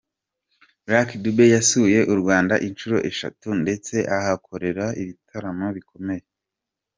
Lucky Dube yasuye u Rwanda inshuro eshatu ndetse ahakorera ibitaramo bikomeye.